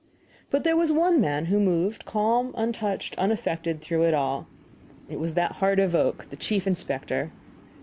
But there was one man who moved calm, untouched, unaffected, through it all. It was that heart of oak, the chief inspector.